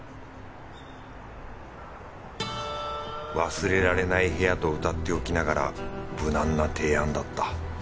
「忘れられない部屋」とうたっておきながら無難な提案だった。